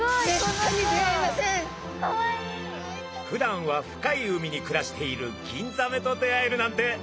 ふだんは深い海に暮らしているギンザメと出会えるなんて